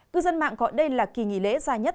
cư dân mạng gọi đây là kỳ nghỉ lễ dài nhất